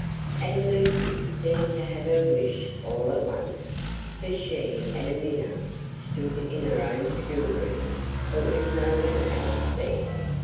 And Lucy seemed to have her wish all at once, for she and Amina stood in her own schoolroom, but with no one else there.